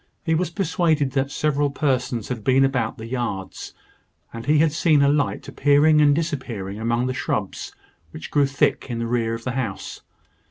He was persuaded that several persons had been about the yards; and he had seen a light appearing and disappearing among the shrubs which grew thick in the rear of the house.